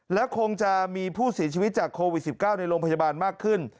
และคงจะมีผู้เสียชีวิตจากโควิด๑๙ในโรงพยาบาลมากขึ้น